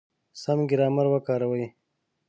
سم ګرامر وکاروئ!.